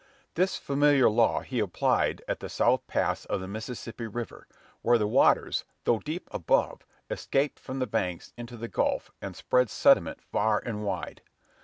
This familiar law he applied at the South Pass of the Mississippi River, where the waters, though deep above, escaped from the banks into the Gulf, and spread sediment far and wide.